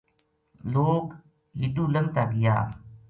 لوک ہیٹو لنگتا گیا